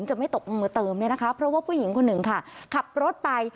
จะไม่ตกลงมือเติมเนี่ยนะคะเพราะว่าผู้หญิงคนหนึ่งค่ะขับรถไป